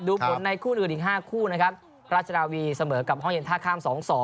ผลในคู่อื่นอีก๕คู่นะครับราชนาวีเสมอกับห้องเย็นท่าข้าม๒๒